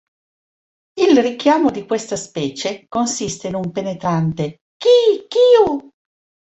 Il richiamo di questa specie consiste in un penetrante "kee-kyew".